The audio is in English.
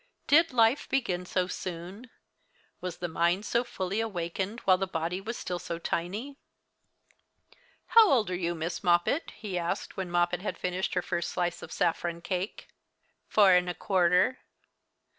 Did life begin so soon? Was the mind so fully awakened while the body was still so tiny? "How old are you, Mistress Moppet?" he asked, when Moppet had finished her first slice of saffron cake. "Four and a quarter."